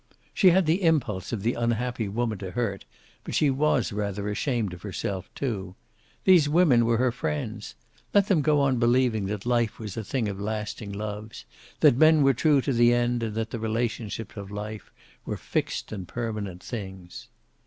She had the impulse of the unhappy woman to hurt, but she was rather ashamed of herself, too. These women were her friends. Let them go on believing that life was a thing of lasting loves, that men were true to the end, and that the relationships of life were fixed and permanent things.